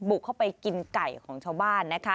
บุกเข้าไปกินไก่ของชาวบ้านนะคะ